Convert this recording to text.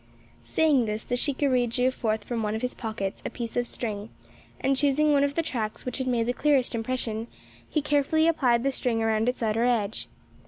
Saying this, the shikaree drew forth from one of his pockets a piece of string; and, choosing one of the tracks which had made the clearest impression, he carefully applied the string around its outer edge.